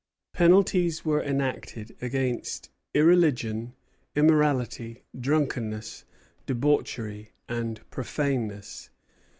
Penalties were enacted against "irreligion, immorality, drunkenness, debauchery, and profaneness."